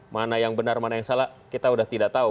mana yang benar mana yang salah kita sudah tidak tahu